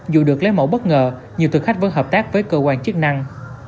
dù được lấy mẫu bất ngờ nhiều thực khách vẫn hợp tác với cơ quan chức năng